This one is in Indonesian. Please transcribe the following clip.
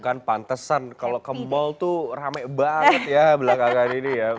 kan pantesan kalau ke mall tuh rame banget ya belakangan ini ya